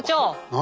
何？